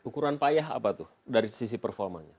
ukuran payah apa tuh dari sisi performanya